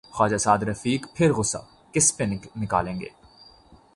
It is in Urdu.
خواجہ سعدرفیق پھر غصہ کس پہ نکالیں گے؟